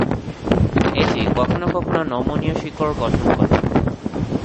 এটি কখনও কখনও নমনীয় শিকড় গঠন করে।